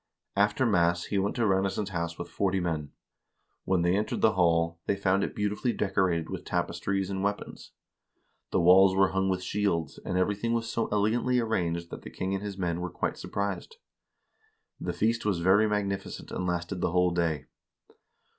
After mass he went to Ranesson's house with forty men. When they entered the hall, they found it beautifully decorated with tapestries and weapons ; the walls were hung with shields, and every thing was so elegantly arranged that the king and his men were quite surprised. The feast was very magnificent and lasted the whole day.